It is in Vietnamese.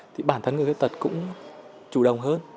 thì bản thân người tật cũng chủ đồng hơn